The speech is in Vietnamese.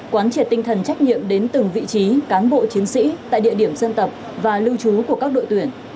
quán triệt tinh thần trách nhiệm đến từng vị trí cán bộ chiến sĩ tại địa điểm dân tập và lưu trú của các đội tuyển